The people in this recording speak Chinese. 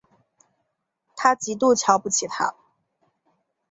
她极度瞧不起他